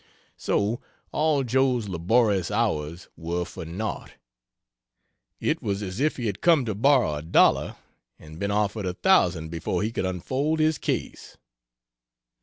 So all Joe's laborious hours were for naught! It was as if he had come to borrow a dollar, and been offered a thousand before he could unfold his case....